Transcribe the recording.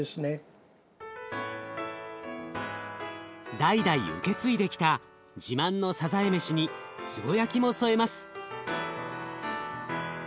代々受け継いできた自慢のさざえ飯につぼ焼きも添えます。